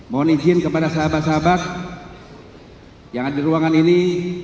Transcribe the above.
mohon izin kepada sahabat sahabat yang ada di ruangan ini